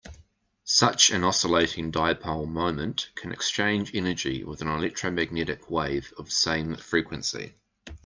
Such an oscillating dipole moment can exchange energy with an electromagnetic wave of same frequency.